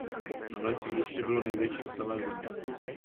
Nové sídliště bylo největší v celé zemi.